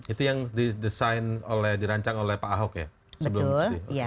itu yang didesain oleh dirancang oleh pak ahok ya sebelum